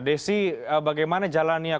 desi bagaimana jalannya konferensi